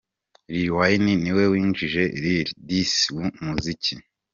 Lil Wayne niwe winjije Lil Twis mu muziki.